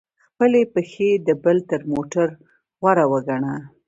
خپلي پښې د بل تر موټر غوره وګڼه!